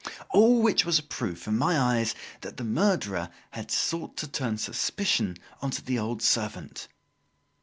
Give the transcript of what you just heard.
All which was a proof, in my eyes, that the murderer had sought to turn suspicion on to the old servant.